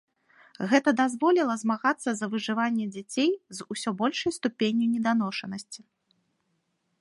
Гэта дазволіла змагацца за выжыванне дзяцей з усё большай ступенню неданошанасці.